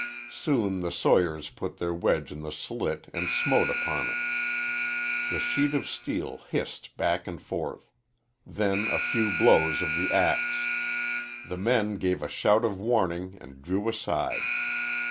Soon the sawyers put their wedge in the slit and smote upon it. The sheet of steel hissed back and forth. Then a few blows of the axe. The men gave a shout of warning and drew aside.